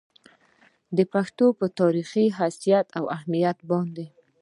د پښتو پۀ تاريخي حېثيت او اهميت باندې